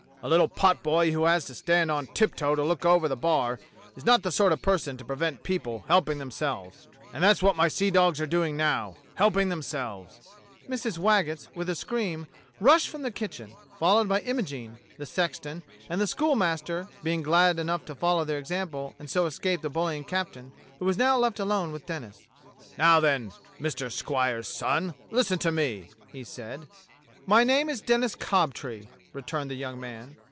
A little potboy who has to stand on tiptoe to look over the bar is not the sort of person to prevent people helping themselves; and that's what my seadogs are doing now — helping themselves." Mrs. Waggetts, with a scream, rushed from the kitchen, followed by Imogene, the sexton and the schoolmaster being glad enough to follow their example and so escape from the bullying captain, who was now left alone with Denis. "Now, then, Mr. Squire's son, listen to me," he said. "My name is Denis Cobtree," returned the young man.